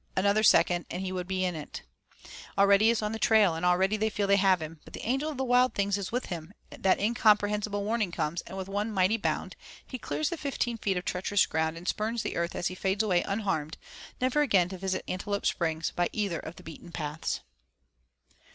Another second and he would be into it. Already he is on the trail, and already they feel they have him, but the Angel of the wild things is with him, that incomprehensible warning comes, and with one mighty bound he clears the fifteen feet of treacherous ground and spurns the earth as he fades away unharmed, never again to visit Antelope Springs by either of the beaten paths.